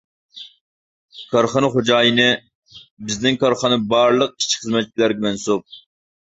كارخانا خوجايىنى: بىزنىڭ كارخانا بارلىق ئىشچى-خىزمەتچىلەرگە مەنسۇپ.